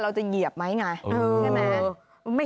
เราจะเหยียบไหมไง